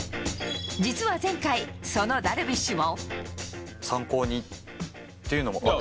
実は前回、そのダルビッシュも。